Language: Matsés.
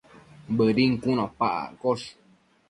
Bëdin cun opa accosh